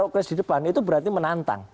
progres di depan itu berarti menantang